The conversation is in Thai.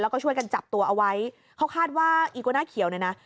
แล้วก็ช่วยกันจับตัวเอาไว้เขาคาดว่าอีกวาน่าเขียวเนี่ยนะ